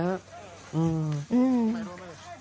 อืม